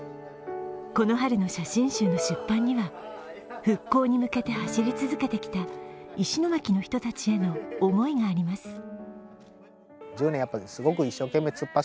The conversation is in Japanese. この春の写真集の出版には復興に向けて走り続けてきた石巻の人たちへの思いがあります。